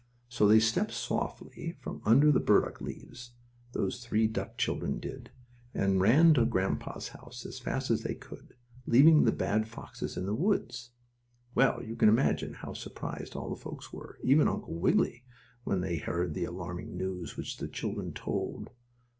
So they stepped softly from under the burdock leaves, those three duck children did, and ran to grandpa's house as fast as they could, leaving the bad foxes in the woods. Well, you can imagine how surprised all the folks were, even Uncle Wiggily, when they heard the alarming news which the children told.